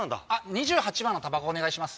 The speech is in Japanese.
２８番のタバコお願いします